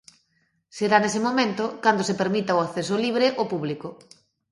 Será nese momento cando se permita o acceso libre ao público.